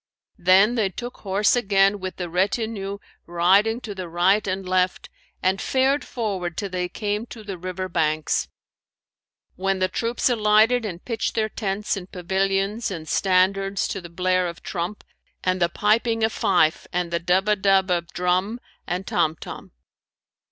Then they took horse again with the retinue riding to the right and left and fared forward till they came to the river banks; when the troops alighted and pitched their tents and pavilions and standards to the blare of trump and the piping of fife and the dub a dub of drum and tom tom.